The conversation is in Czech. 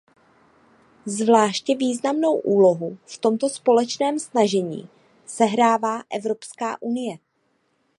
Zvláště významnou úlohu v tomto společném snažení sehrává Evropská unie.